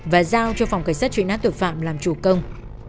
và giao cho phòng cảnh sát truy nã tội phạm làm chủ công